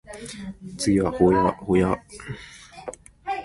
次は保谷保谷